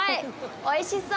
おいしそう。